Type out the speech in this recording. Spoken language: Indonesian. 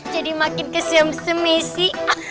jadi makin kesemsem misi